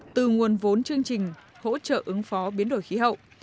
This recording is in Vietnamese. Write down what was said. từ nguồn vốn chương trình hỗ trợ ứng phó biến đổi khí hậu